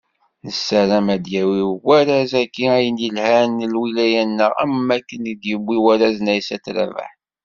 Nessarem ad d-yawi warraz-agi ayen yelhan i lwilaya-nneɣ, am wakken i t-yewwi warraz n Aysat Rabaḥ.